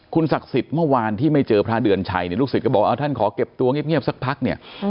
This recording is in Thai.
ศักดิ์สิทธิ์เมื่อวานที่ไม่เจอพระเดือนชัยเนี่ยลูกศิษย์ก็บอกท่านขอเก็บตัวเงียบสักพักเนี่ย